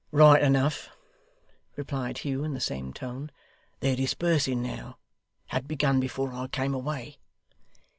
'Right enough,' replied Hugh, in the same tone. 'They're dispersing now had begun before I came away.